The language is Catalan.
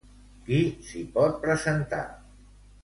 Qui s'hi pot presentar?